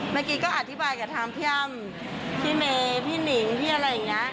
เมื่อกี้ก็อธิบายกับทางพี่อ้ำพี่เมย์พี่หนิงพี่อะไรอย่างนี้